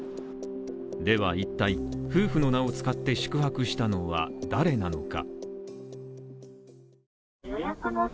では一体、夫婦の名を使って宿泊したのは誰なのか。